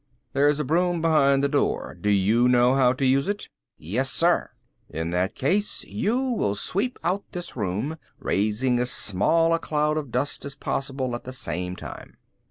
"There is a broom behind the door. Do you know how to use it?" "Yes, sir." "In that case you will sweep out this room, raising as small a cloud of dust as possible at the same time."